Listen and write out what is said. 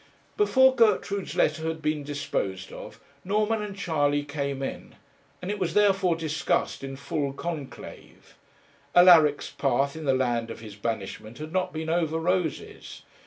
Before Gertrude's letter had been disposed of, Norman and Charley came in, and it was therefore discussed in full conclave. Alaric's path in the land of his banishment had not been over roses.